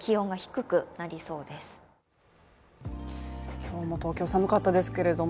今日も東京寒かったですけれども